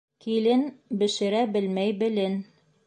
Килен, бешерә белмәй белен.